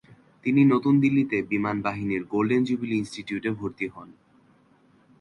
তিনি নতুন দিল্লীতে বিমান বাহিনীর গোল্ডেন জুবিলী ইন্সিটিউট-এ ভর্তি হন।